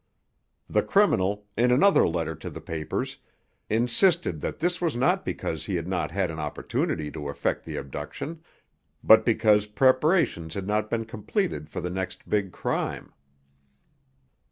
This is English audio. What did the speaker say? The criminal, in another letter to the papers, insisted that this was not because he had not had an opportunity to effect the abduction, but because preparations had not been completed for the next big crime.